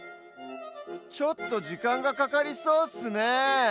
ちょっとじかんがかかりそうッスねえ。